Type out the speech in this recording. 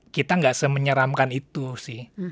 kita nggak semenyeramkan itu sih